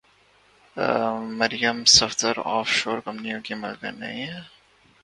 مریم Safdar offshore کمپنیوں کی مالکن نہیں ہیں؟